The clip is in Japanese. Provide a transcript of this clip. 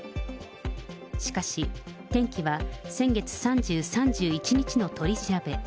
しかし、転機は先月３０、３１日の取り調べ。